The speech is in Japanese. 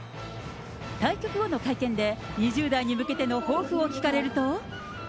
対局後の会見で、２０代に向けての抱負を聞かれると。